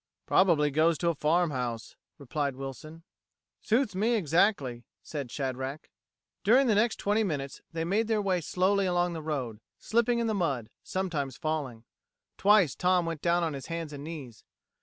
"Probably goes to a farmhouse," replied Wilson. "Suits me exactly," said Shadrack. During the next twenty minutes they made their way slowly along the road, slipping in the mud, sometimes falling. Twice Tom went down on his hands and knees.